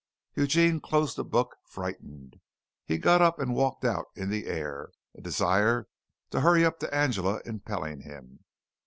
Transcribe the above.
Eugene closed the book, frightened. He got up and walked out in the air, a desire to hurry up to Angela impelling him.